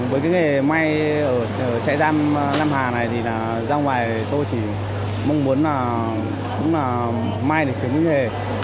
với cái nghề may ở trại giam nam hà này thì ra ngoài tôi chỉ mong muốn là may để kiếm cái nghề